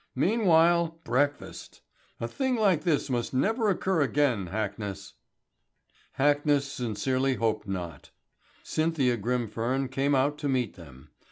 "Meanwhile, breakfast. A thing like this must never occur again, Hackness." Hackness sincerely hoped not. Cynthia Grimfern came out to meet them.